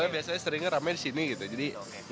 biasanya seringnya ramai di sini gitu jadi